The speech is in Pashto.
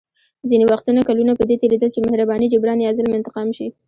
ځینې وختونه کلونه په دې تېرېدل چې مهرباني جبران یا ظلم انتقام شي.